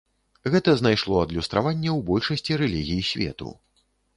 Гэта знайшло адлюстраванне ў большасці рэлігій свету.